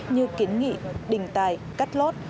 như kiến nghị đình tài cắt lót